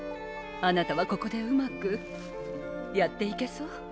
あなたはここでうまくやっていけそう？